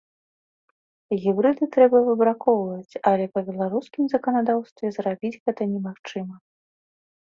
Гібрыды трэба выбракоўваць, але па беларускім заканадаўстве зрабіць гэта немагчыма.